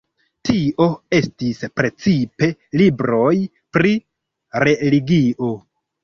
Tio estis precipe libroj pri religio.